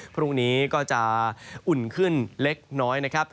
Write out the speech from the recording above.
พรุ่งนี้ก็จะอุ่นขึ้นเล็กน้อยนะครับ